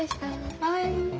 はい。